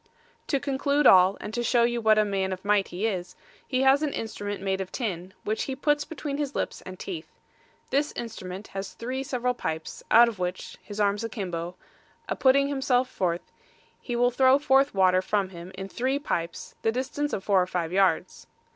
To conclude all, and to show you what a man of might he is, he has an instrument made of tin, which he puts between his lips and teeth; this instrument has three several pipes, out of which, his arms a kimbo, a putting forth himself, he will throw forth water from him in three pipes, the distance of four or five yards.